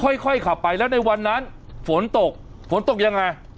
ค่อยขับไปแล้วในวันนั้นฝนตกฝนตกยังไง